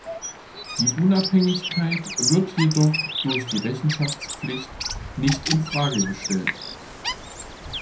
Die Unabhängigkeit wird jedoch durch die Rechenschaftspflicht nicht in Frage gestellt.